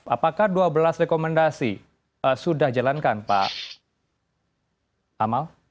apakah dua belas rekomendasi sudah jalankan pak amal